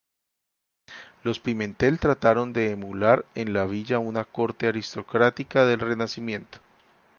Los Pimentel trataron de emular en la villa una corte aristocrática del Renacimiento.